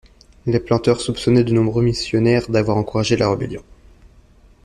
Les planteurs soupçonnaient de nombreux missionnaires d'avoir encouragé la rébellion.